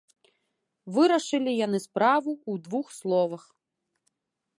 Вырашылі яны справу ў двух словах.